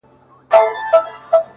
د زړه جيب كي يې ساتم انځورونه ،گلابونه،